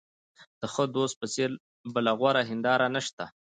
د ښه دوست په څېر بله غوره هنداره نشته.